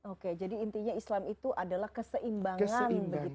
oke jadi intinya islam itu adalah keseimbangan